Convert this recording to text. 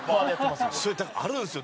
それあるんですよ